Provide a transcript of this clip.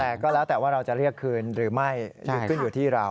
แต่ก็แล้วแต่ว่าเราจะเรียกคืนหรือไม่ขึ้นอยู่ที่เรา